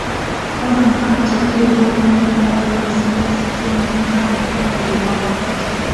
kwanza mpaka cha pili Mwaka elfu moja mia tisa tisini na tano hadi mwaka